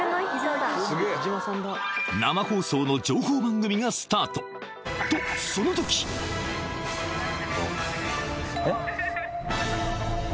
生放送の情報番組がスタートとその時えっ？